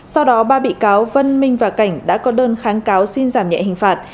sau đó ba bị cáo vân minh và cảnh đã có đơn kháng cáo xin giảm nhẹ hình phạt